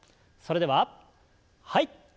それでははい。